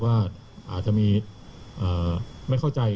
ว่าอาจจะมีไม่เข้าใจ